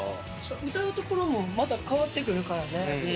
歌うところもまたかわってくるからね。